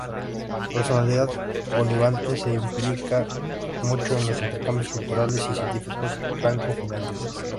Personalidad polivalente, se implica mucho en los intercambios culturales y científicos franco-finlandeses.